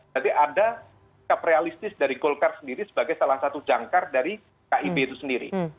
jadi ada sikap realistis dari golkar sendiri sebagai salah satu jangkar dari kib itu sendiri